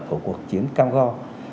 của cuộc chiến cam go